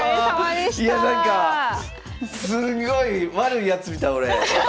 いやなんかすんごい悪いやつみたい俺。